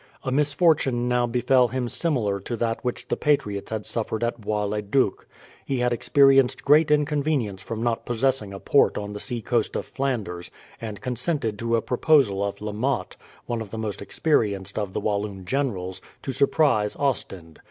A misfortune now befell him similar to that which the patriots had suffered at Bois le Duc. He had experienced great inconvenience from not possessing a port on the sea coast of Flanders, and consented to a proposal of La Motte, one of the most experienced of the Walloon generals, to surprise Ostend.